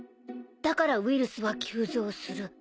だからウイルスは急増する。